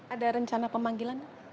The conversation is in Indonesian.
ada rencana pemanggilan